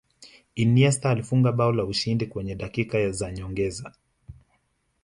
iniesta alifunga bao la ushindi kwenye dakika za nyongeza